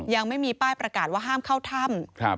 ยังไม่มีป้ายประกาศว่าห้ามเข้าถ้ำ